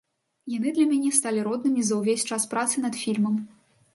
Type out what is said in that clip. Яны для мяне сталі роднымі за ўвесь час працы над фільмам.